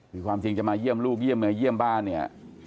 คือความจริงจะมาเยี่ยมลูกเยี่ยมเมียเยี่ยมบ้านเนี่ย